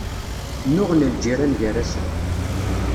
Nnuɣen lǧiran gar-asen.